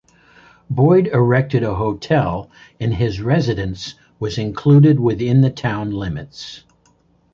Boyd erected a hotel and his residence was included within the town limits.